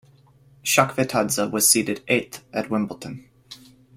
Chakvetadze was seeded eighth at Wimbledon.